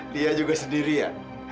lia juga sendiri ya